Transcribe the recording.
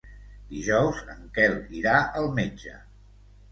Dijous en Quel irà al metge.